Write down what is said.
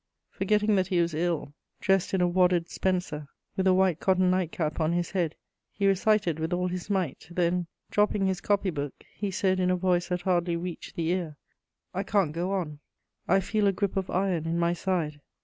Forgetting that he was ill, dressed in a wadded spencer, with a white cotton night cap on his head, he recited with all his might; then, dropping his copy book, he said in a voice that hardly reached the ear: "I can't go on; I feel a grip of iron in my side."